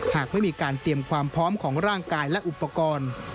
หากไม่มีการเตรียมความพร้อมของร่างกายและอุปกรณ์